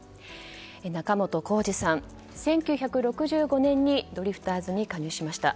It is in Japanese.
仲本工事さん、１９６５年にドリフターズに加入しました。